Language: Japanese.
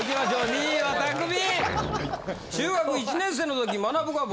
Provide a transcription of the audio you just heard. ２位はたくみ。